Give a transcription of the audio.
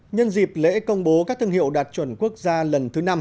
nhân dịp lễ công bố các thương hiệu đạt chuẩn quốc gia lần thứ năm